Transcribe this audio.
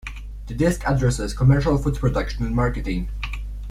The disc addresses commercial food production and marketing.